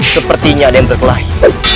sepertinya ada yang berkelahi